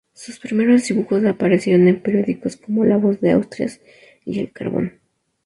Sus primeros dibujos aparecieron en periódicos como La Voz de Asturias y "El Carbón".